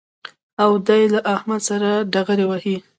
او دی له احمد سره ډغرې وهي